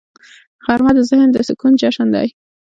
غرمه د ذهن د سکون جشن دی